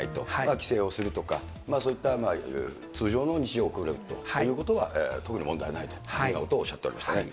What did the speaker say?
帰省をするとか、そういった通常の日常を送るということは、特に問題ないというふうなことをおっしゃっておりましたね。